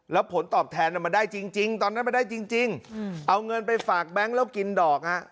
แล้วผลตอบแทนมันได้จริงตอนนั้นมันได้จริงเอาเงินไปฝากแบงค์แล้วกินดอกฮะ